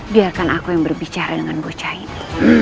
biarkan aku yang berbicara dengan bocah ini